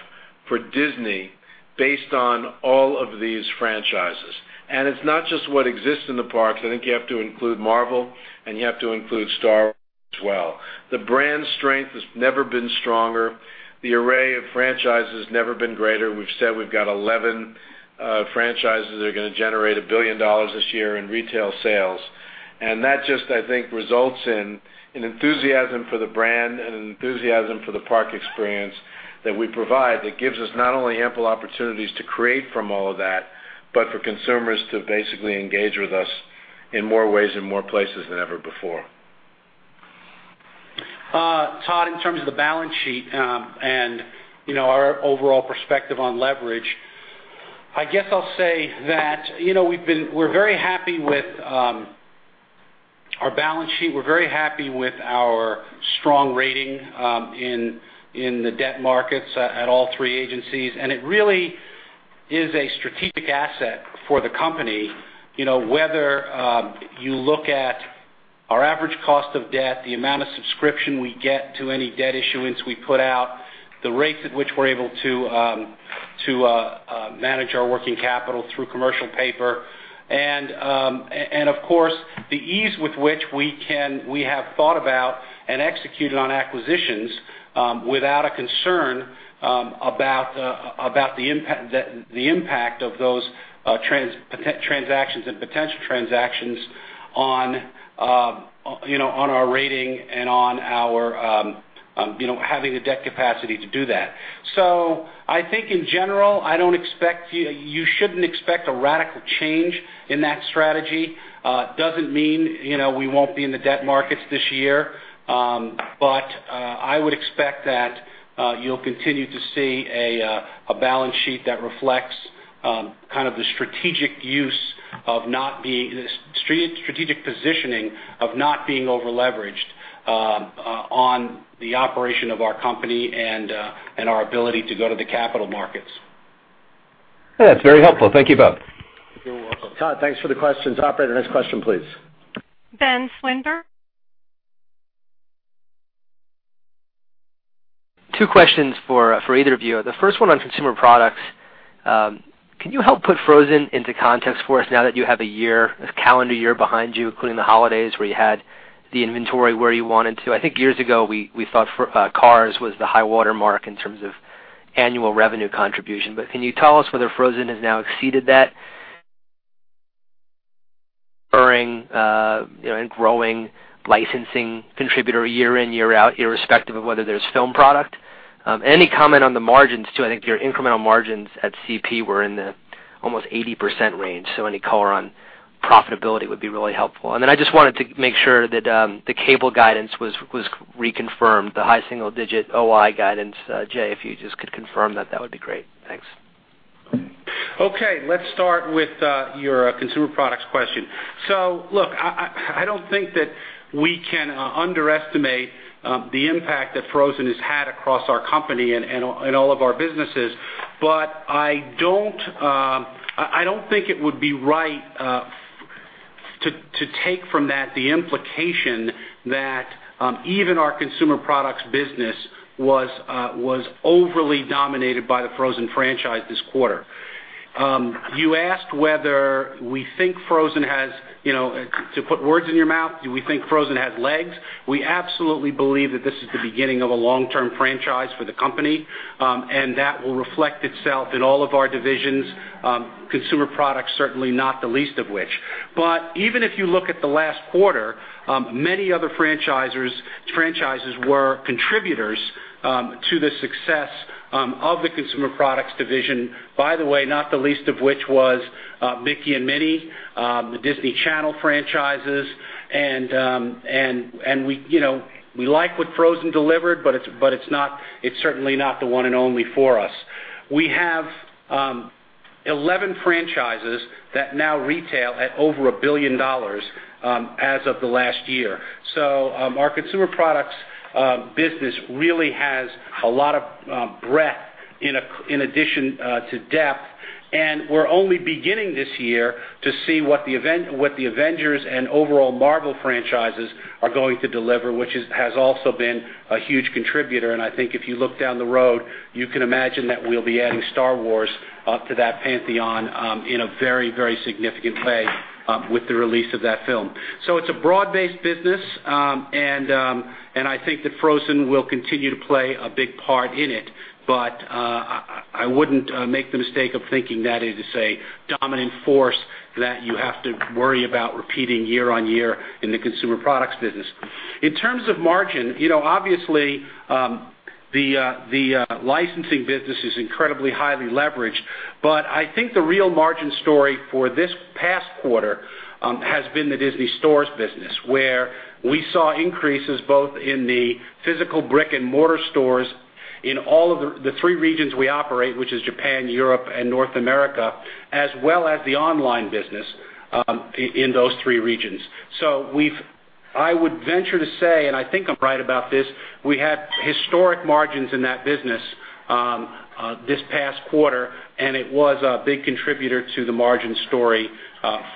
for Disney based on all of these franchises. It's not just what exists in the parks. I think you have to include Marvel and you have to include Star Wars as well. The brand strength has never been stronger. The array of franchises has never been greater. We've said we've got 11 franchises that are going to generate $1 billion this year in retail sales. That just, I think, results in an enthusiasm for the brand and an enthusiasm for the park experience that we provide that gives us not only ample opportunities to create from all of that, but for consumers to basically engage with us in more ways and more places than ever before. Todd, in terms of the balance sheet and our overall perspective on leverage, I guess I'll say that we're very happy with our balance sheet. We're very happy with our strong rating in the debt markets at all three agencies, and it really is a strategic asset for the company. Whether you look at our average cost of debt, the amount of subscription we get to any debt issuance we put out, the rates at which we're able to manage our working capital through commercial paper, and of course, the ease with which we have thought about and executed on acquisitions without a concern about the impact of those transactions and potential transactions on our rating and on our Having the debt capacity to do that. I think in general, you shouldn't expect a radical change in that strategy. It doesn't mean we won't be in the debt markets this year. I would expect that you'll continue to see a balance sheet that reflects the strategic positioning of not being over-leveraged on the operation of our company and our ability to go to the capital markets. Yeah, that's very helpful. Thank you, Bob. You're welcome. Todd, thanks for the questions. Operator, next question, please. Ben Swinburne. Two questions for either of you. The first one on Consumer Products. Can you help put Frozen into context for us now that you have a calendar year behind you, including the holidays where you had the inventory where you wanted to? I think years ago, we thought Cars was the high water mark in terms of annual revenue contribution. Can you tell us whether Frozen has now exceeded that, enduring, and growing licensing contributor year in, year out, irrespective of whether there's film product? Any comment on the margins, too? I think your incremental margins at CP were in the almost 80% range, so any color on profitability would be really helpful. I just wanted to make sure that the cable guidance was reconfirmed, the high single-digit OI guidance. Jay, if you just could confirm that would be great. Thanks. Let's start with your consumer products question. Look, I don't think that we can underestimate the impact that Frozen has had across our company and all of our businesses. I don't think it would be right to take from that the implication that even our consumer products business was overly dominated by the Frozen franchise this quarter. You asked whether we think Frozen has, to put words in your mouth, do we think Frozen has legs? We absolutely believe that this is the beginning of a long-term franchise for the company, and that will reflect itself in all of our divisions, consumer products certainly not the least of which. Even if you look at the last quarter, many other franchises were contributors to the success of the consumer products division, by the way, not the least of which was Mickey and Minnie, the Disney Channel franchises. We like what Frozen delivered, but it's certainly not the one and only for us. We have 11 franchises that now retail at over $1 billion as of the last year. Our consumer products business really has a lot of breadth in addition to depth, and we're only beginning this year to see what the Avengers and overall Marvel franchises are going to deliver, which has also been a huge contributor. I think if you look down the road, you can imagine that we'll be adding Star Wars to that pantheon in a very significant way with the release of that film. It's a broad-based business, and I think that Frozen will continue to play a big part in it. I wouldn't make the mistake of thinking that is a dominant force that you have to worry about repeating year-on-year in the consumer products business. In terms of margin, obviously, the licensing business is incredibly highly leveraged, but I think the real margin story for this past quarter has been the Disney Stores business, where we saw increases both in the physical brick-and-mortar stores in all of the three regions we operate, which is Japan, Europe and North America, as well as the online business in those three regions. I would venture to say, and I think I'm right about this, we had historic margins in that business this past quarter, and it was a big contributor to the margin story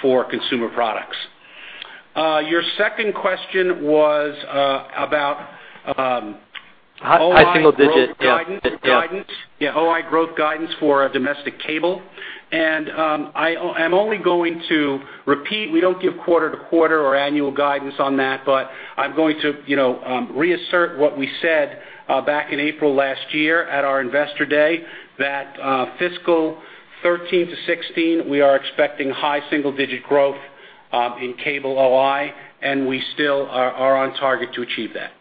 for consumer products. Your second question was about. High single digit, yeah. OI growth guidance for domestic cable, I'm only going to repeat, we don't give quarter-to-quarter or annual guidance on that, I'm going to reassert what we said back in April last year at our investor day, that fiscal 2013 to 2016, we are expecting high single-digit growth in cable OI, and we still are on target to achieve that.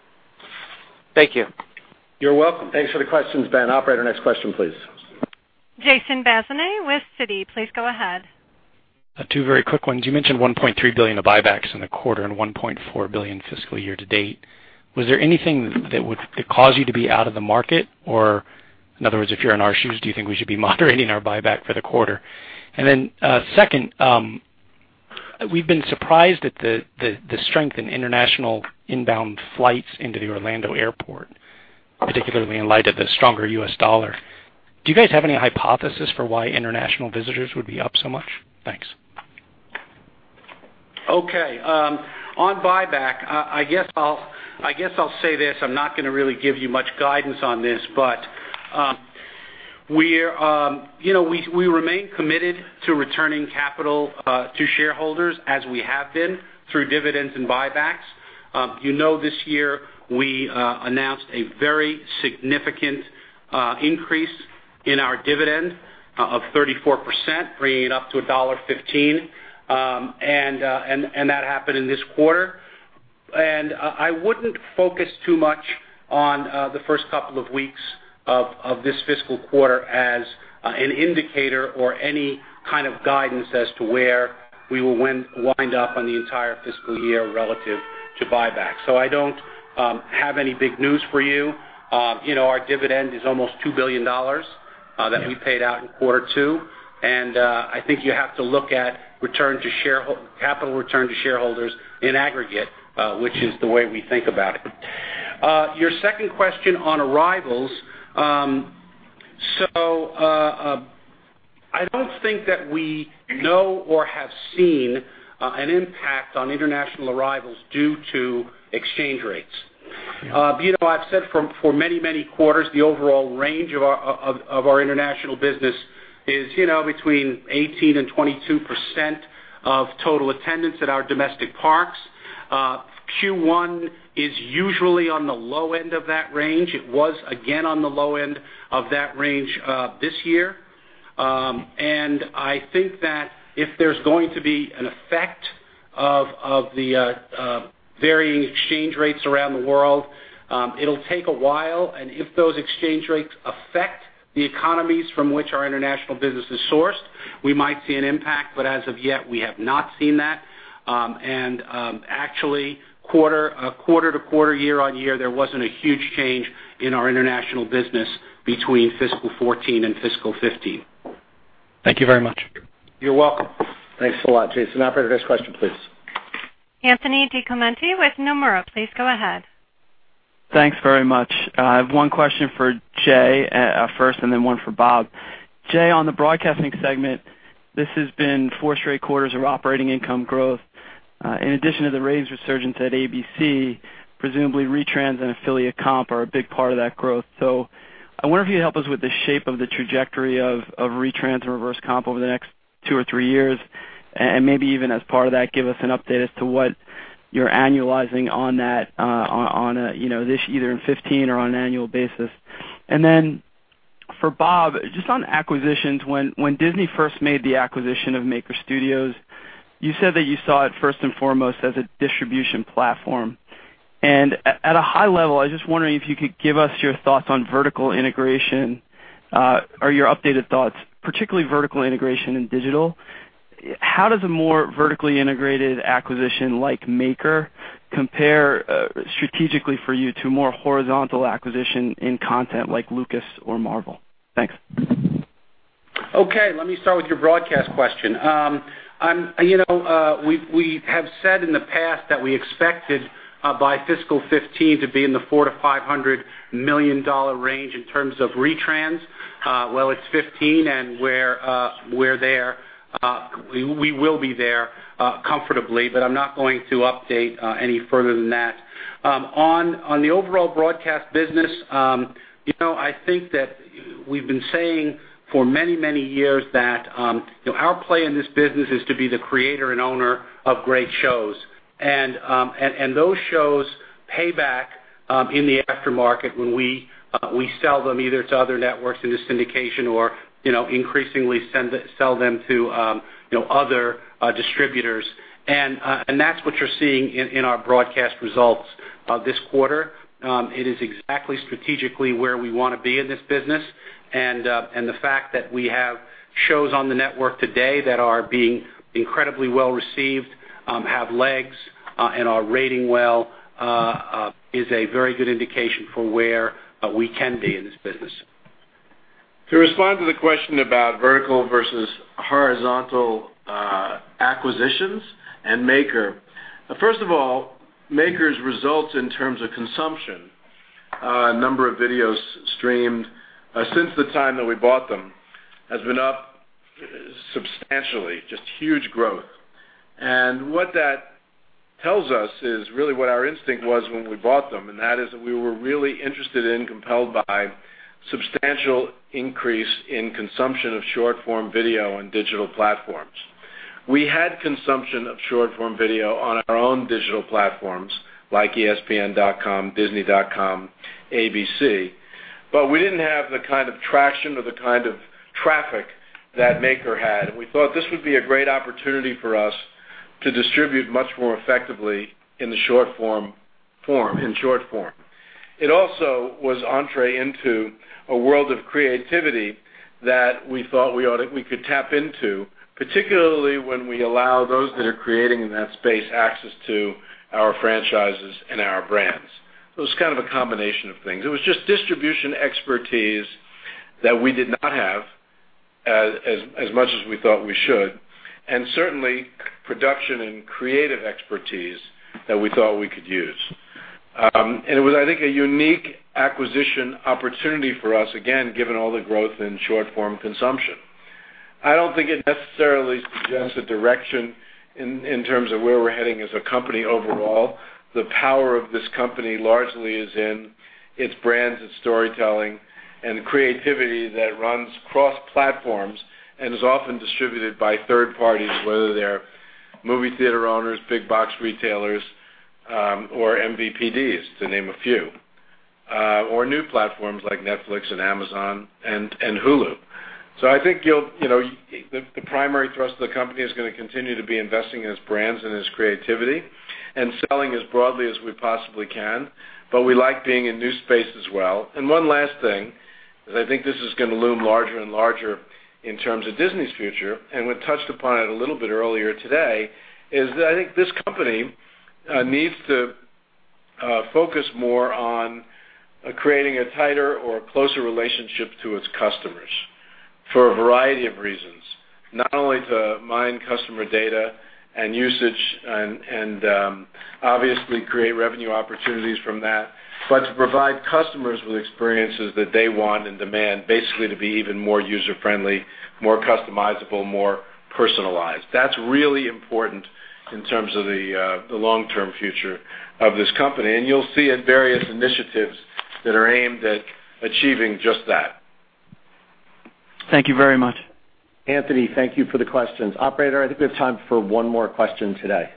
Thank you. You're welcome. Thanks for the questions, Ben. Operator, next question, please. Jason Bazinet with Citi, please go ahead. Two very quick ones. You mentioned $1.3 billion of buybacks in the quarter and $1.4 billion fiscal year to date. Was there anything that caused you to be out of the market? In other words, if you're in our shoes, do you think we should be moderating our buyback for the quarter? Second, we've been surprised at the strength in international inbound flights into the Orlando airport, particularly in light of the stronger U.S. dollar. Do you guys have any hypothesis for why international visitors would be up so much? Thanks. Okay. On buyback, I guess I'll say this, I'm not going to really give you much guidance on this, but we remain committed to returning capital to shareholders as we have been through dividends and buybacks. You know this year we announced a very significant increase in our dividend of 34%, bringing it up to $1.15, and that happened in this quarter. I wouldn't focus too much on the first couple of weeks of this fiscal quarter as an indicator or any kind of guidance as to where we will wind up on the entire fiscal year relative to buyback. I don't have any big news for you. Our dividend is almost $2 billion that we paid out in quarter two. I think you have to look at capital return to shareholders in aggregate, which is the way we think about it. Your second question on arrivals. I don't think that we know or have seen an impact on international arrivals due to exchange rates. I've said for many quarters, the overall range of our international business is between 18% and 22% of total attendance at our domestic parks. Q1 is usually on the low end of that range. It was again on the low end of that range this year. I think that if there's going to be an effect of the varying exchange rates around the world, it'll take a while, and if those exchange rates affect the economies from which our international business is sourced, we might see an impact. But as of yet, we have not seen that. Actually, quarter to quarter, year-on-year, there wasn't a huge change in our international business between fiscal 2014 and fiscal 2015. Thank you very much. You're welcome. Thanks a lot, Jason. Operator, next question, please. Anthony DiClemente with Nomura, please go ahead. Thanks very much. I have one question for Jay first and then one for Bob. Jay, on the broadcasting segment, this has been four straight quarters of operating income growth. In addition to the ratings resurgence at ABC, presumably retrans and affiliate comp are a big part of that growth. I wonder if you'd help us with the shape of the trajectory of retrans and reverse comp over the next two or three years, and maybe even as part of that, give us an update as to what you're annualizing on that either in 2015 or on an annual basis. For Bob, just on acquisitions, when Disney first made the acquisition of Maker Studios, you said that you saw it first and foremost as a distribution platform. At a high level, I was just wondering if you could give us your thoughts on vertical integration or your updated thoughts, particularly vertical integration in digital. How does a more vertically integrated acquisition like Maker compare strategically for you to more horizontal acquisition in content like Lucasfilm or Marvel? Thanks. Okay, let me start with your broadcast question. We have said in the past that we expected by fiscal 2015 to be in the $400 million-$500 million range in terms of retrans. Well, it's 2015, and we will be there comfortably, but I'm not going to update any further than that. On the overall broadcast business, I think that we've been saying for many years that our play in this business is to be the creator and owner of great shows. Those shows pay back in the aftermarket when we sell them either to other networks in the syndication or increasingly sell them to other distributors. That's what you're seeing in our broadcast results this quarter. It is exactly strategically where we want to be in this business, and the fact that we have shows on the network today that are being incredibly well-received, have legs, and are rating well is a very good indication for where we can be in this business. To respond to the question about vertical versus horizontal acquisitions and Maker. First of all, Maker's results in terms of consumption, number of videos streamed since the time that we bought them has been up substantially, just huge growth. What that tells us is really what our instinct was when we bought them, and that is that we were really interested in, compelled by substantial increase in consumption of short-form video on digital platforms. We had consumption of short-form video on our own digital platforms like espn.com, disney.com, ABC. We didn't have the kind of traction or the kind of traffic that Maker had, and we thought this would be a great opportunity for us to distribute much more effectively in short form. It also was entree into a world of creativity that we thought we could tap into, particularly when we allow those that are creating in that space access to our franchises and our brands. It was kind of a combination of things. It was just distribution expertise that we did not have as much as we thought we should, and certainly production and creative expertise that we thought we could use. It was, I think, a unique acquisition opportunity for us, again, given all the growth in short-form consumption. I don't think it necessarily suggests a direction in terms of where we're heading as a company overall. The power of this company largely is in its brands, its storytelling, and the creativity that runs cross-platforms and is often distributed by third parties, whether they're movie theater owners, big box retailers Or MVPDs, to name a few. New platforms like Netflix and Amazon and Hulu. I think the primary thrust of the company is going to continue to be investing in its brands and its creativity and selling as broadly as we possibly can. We like being in new space as well. One last thing, because I think this is going to loom larger and larger in terms of Disney's future, and we touched upon it a little bit earlier today, is that I think this company needs to focus more on creating a tighter or a closer relationship to its customers for a variety of reasons. Not only to mine customer data and usage and obviously create revenue opportunities from that, but to provide customers with experiences that they want and demand, basically to be even more user-friendly, more customizable, more personalized. That's really important in terms of the long-term future of this company, and you'll see in various initiatives that are aimed at achieving just that. Thank you very much. Anthony, thank you for the questions. Operator, I think we have time for one more question today.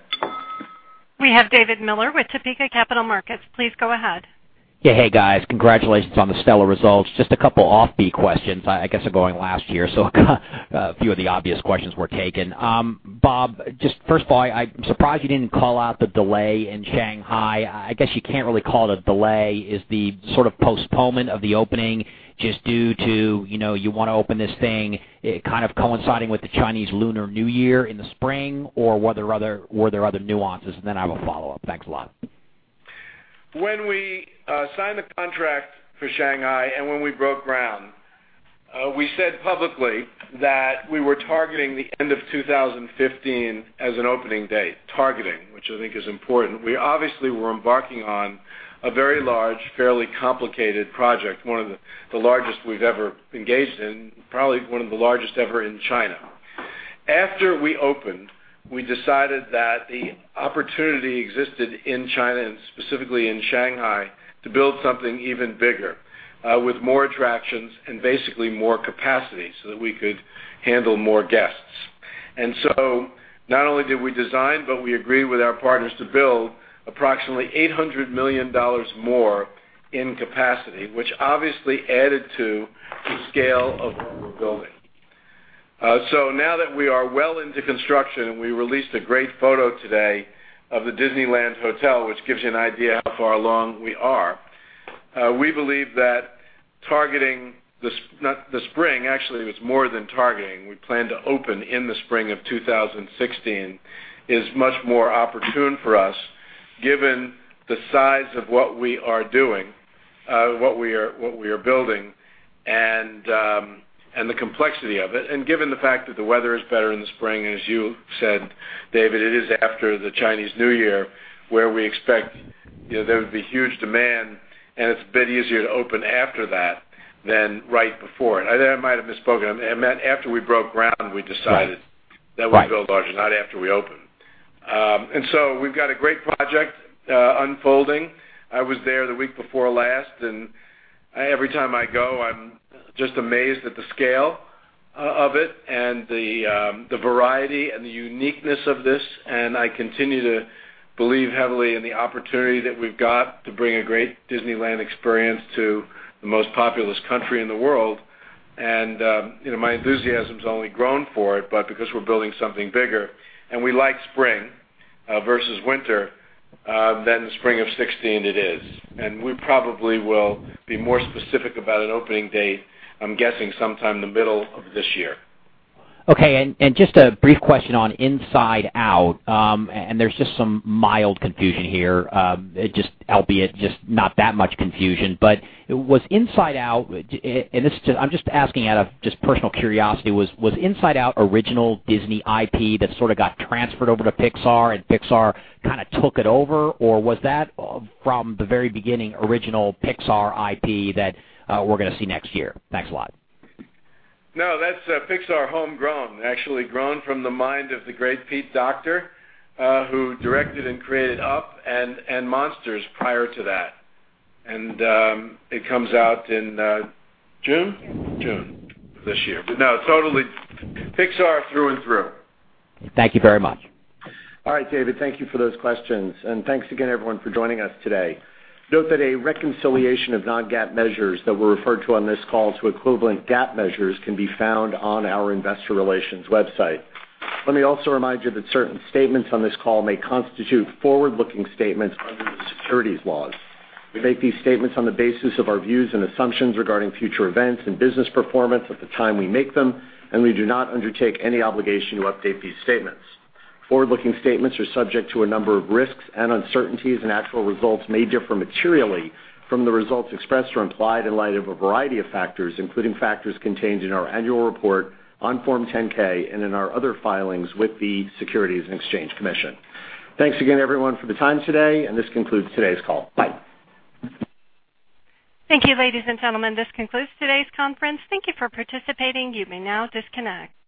We have David Miller with Topeka Capital Markets. Please go ahead. Yeah. Hey, guys. Congratulations on the stellar results. Just a couple off-beat questions. I guess I'm going last here, so a few of the obvious questions were taken. Bob, just first of all, I'm surprised you didn't call out the delay in Shanghai. I guess you can't really call it a delay. Is the sort of postponement of the opening just due to you want to open this thing kind of coinciding with the Chinese Lunar New Year in the spring, or were there other nuances? I have a follow-up. Thanks a lot. When we signed the contract for Shanghai and when we broke ground, we said publicly that we were targeting the end of 2015 as an opening date. Targeting, which I think is important. We obviously were embarking on a very large, fairly complicated project, one of the largest we've ever engaged in, probably one of the largest ever in China. After we opened, we decided that the opportunity existed in China, and specifically in Shanghai, to build something even bigger with more attractions and basically more capacity so that we could handle more guests. Not only did we design, but we agreed with our partners to build approximately $800 million more in capacity, which obviously added to the scale of what we're building. Now that we are well into construction, and we released a great photo today of the Disneyland Hotel, which gives you an idea how far along we are, we believe that targeting the spring, actually it's more than targeting, we plan to open in the spring of 2016, is much more opportune for us given the size of what we are doing, what we are building, and the complexity of it. Given the fact that the weather is better in the spring, as you said, David, it is after the Chinese New Year, where we expect there to be huge demand, and it's a bit easier to open after that than right before it. I might have misspoken. I meant after we broke ground, we decided. Right that we build larger, not after we opened. We've got a great project unfolding. I was there the week before last, and every time I go, I'm just amazed at the scale of it and the variety and the uniqueness of this. I continue to believe heavily in the opportunity that we've got to bring a great Disneyland experience to the most populous country in the world. My enthusiasm has only grown for it, because we're building something bigger and we like spring versus winter, then the spring of 2016 it is. We probably will be more specific about an opening date, I'm guessing sometime in the middle of this year. Just a brief question on "Inside Out," there's just some mild confusion here. Albeit just not that much confusion, was "Inside Out," and I'm just asking out of just personal curiosity, was "Inside Out" original Disney IP that sort of got transferred over to Pixar kind of took it over, or was that from the very beginning original Pixar IP that we're going to see next year? Thanks a lot. No, that's Pixar homegrown. Actually grown from the mind of the great Pete Docter who directed and created Up and Monsters prior to that. It comes out in June? June this year. No, totally Pixar through and through. Thank you very much. All right, David, thank you for those questions. Thanks again, everyone, for joining us today. Note that a reconciliation of non-GAAP measures that were referred to on this call to equivalent GAAP measures can be found on our investor relations website. Let me also remind you that certain statements on this call may constitute forward-looking statements under the securities laws. We make these statements on the basis of our views and assumptions regarding future events and business performance at the time we make them, and we do not undertake any obligation to update these statements. Forward-looking statements are subject to a number of risks and uncertainties, and actual results may differ materially from the results expressed or implied in light of a variety of factors, including factors contained in our annual report on Form 10-K and in our other filings with the Securities and Exchange Commission. Thanks again, everyone, for the time today, and this concludes today's call. Bye. Thank you, ladies and gentlemen. This concludes today's conference. Thank you for participating. You may now disconnect.